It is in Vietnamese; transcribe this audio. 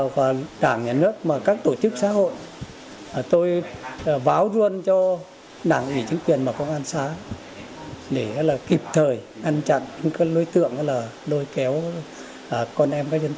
và các nhà tự thiện